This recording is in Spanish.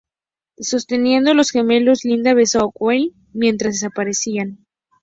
Sosteniendo los gemelos, Linda besó a Wally mientras desaparecían.